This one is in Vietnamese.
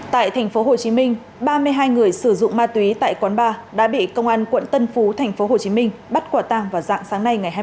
tại thành phố hồ chí minh ba mươi hai người sử dụng ma túy tại quán bar đã bị công an quận tân phú thành phố hồ chí minh bắt quả tang vào dạng sáng nay ngày hai mươi sáu tháng sáu